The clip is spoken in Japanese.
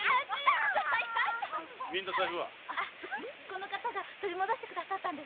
この方が取り戻してくださったの。